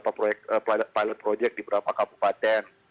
apa pilot project di beberapa kabupaten